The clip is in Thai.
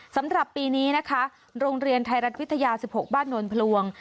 สำหรับปีนี้นะคะโรงเรียนไทยรัฐวิทยา๑๖บ้านนวลพลวง